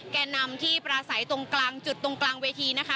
แก่นำที่ปราศัยตรงกลางจุดตรงกลางเวทีนะคะ